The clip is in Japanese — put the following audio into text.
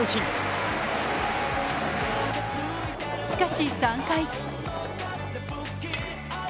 しかし３回。